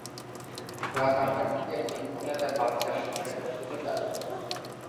রাত আটটার দিকে একজন মহিলা তাঁর বাচ্চার শয্যার পাশে এসে দাঁড়ালেন।